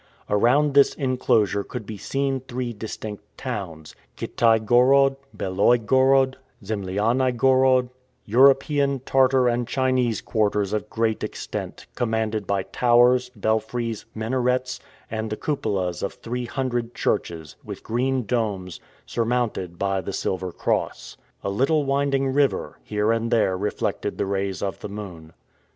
Around this inclosure could be seen three distinct towns: Kitai Gorod, Beloi Gorod, Zemlianai Gorod European, Tartar, and Chinese quarters of great extent, commanded by towers, belfries, minarets, and the cupolas of three hundred churches, with green domes, surmounted by the silver cross. A little winding river, here and there reflected the rays of the moon.